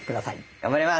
頑張ります！